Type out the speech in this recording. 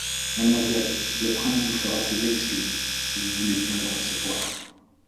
Mademoiselle, le prince vous fera ses excuses, si vous voulez bien le recevoir.